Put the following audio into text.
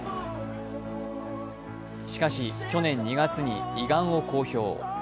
しかし、去年２月に胃がんを公表。